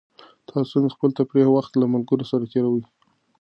تاسو څنګه خپل تفریحي وخت له ملګرو سره تېروئ؟